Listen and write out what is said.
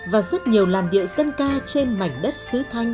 và rất nhiều làn điệu dân ca trên mảnh đất sứ thanh